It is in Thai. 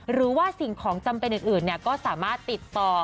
หรือว่าสิ่งของจำเป็นอื่นก็สามารถติดต่อ